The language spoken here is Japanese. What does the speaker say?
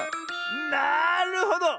なるほど！